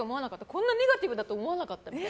こんなにネガティブだと思わなかったって。